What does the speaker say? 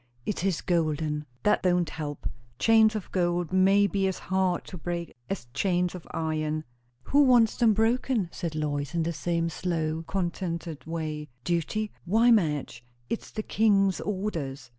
"It is golden!" "That don't help. Chains of gold may be as hard to break as chains of iron." "Who wants them broken?" said Lois, in the same slow, contented way. "Duty? Why Madge, it's the King's orders!"